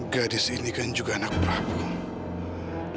gadis ini kan juga anak prabu